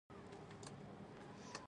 بډایه هیوادونه داسې پالیسي ګانې عملي کوي.